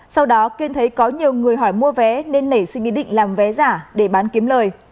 sau đó kiên thấy có nhiều người hỏi mua vé nên nảy sinh ý định làm vé giả để bán kiếm lời